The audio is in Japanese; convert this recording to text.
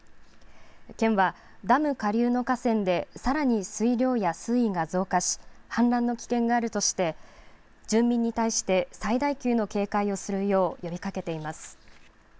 県はダム下流の河川でさらに水量や水位が増加し、氾濫の危険があるとして住民に対して最大級の警戒をするよう呼びかけています。